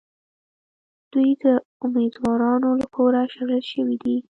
دوی د اُمیدوارانو له کوره شړل شوي دي.